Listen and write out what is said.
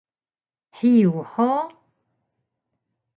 Hiyug hug!